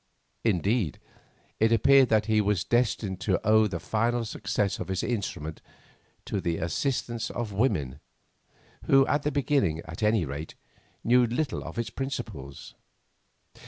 Indeed, it appeared that he was destined to owe the final success of his instrument to the assistance of women who, at the beginning, at any rate, knew little of its principles.